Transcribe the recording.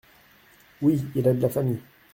Oui… il a de la famille…